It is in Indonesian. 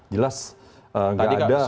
jelas nggak ada